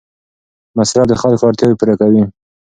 مصرف د خلکو اړتیاوې پوره کوي.